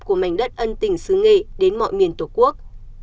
của mảnh đất ân tỉnh xứ nghệ đến mọi miền tổ quốc